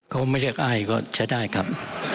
ก็ไม่เรียกอายก็จะได้ครับ